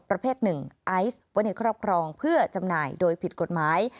ประเภทหนึ่งไอซ์ไว้ในครอบครองเพื่อจำหน่ายโดยผิดกฎหมาย